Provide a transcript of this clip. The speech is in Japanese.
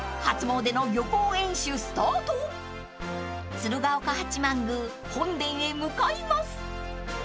［鶴岡八幡宮本殿へ向かいます］